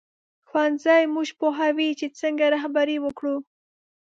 ښوونځی موږ پوهوي چې څنګه رهبري وکړو